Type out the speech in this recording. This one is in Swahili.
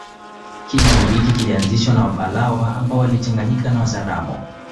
Kijiji hiki kilianzishwa na Wabalawa ambao walichanganyika na Wazaramo